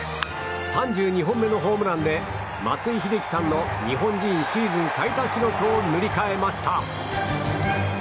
３２本目のホームランで松井秀喜さんの日本人シーズン最多記録を塗り替えました。